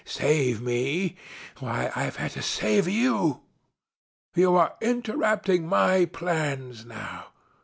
Save me! Why, I've had to save you. You are interrupting my plans now.